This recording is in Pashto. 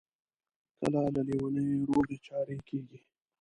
کله له لېونیو روغې چارې کیږي.